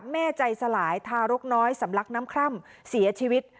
แม่ใจสลายทารกน้อยสำลักน้ำคร่ำเสียชีวิต